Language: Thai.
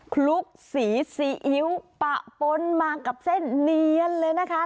คลุกสีซีอิ๊วปะปนมากับเส้นเนียนเลยนะคะ